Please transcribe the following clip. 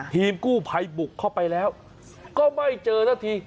ทีมกู้ภัยบุกเข้าไปแล้วก็ไม่เจอสักที